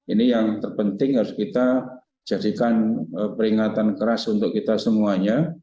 ini yang terpenting harus kita jadikan peringatan keras untuk kita semuanya